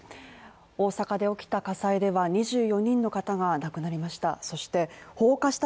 大阪で起きた火災では２４人の方が亡くなりました。